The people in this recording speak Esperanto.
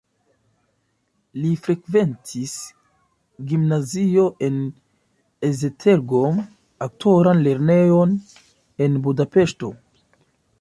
Li frekventis gimnazion en Esztergom, aktoran lernejon en Budapeŝto.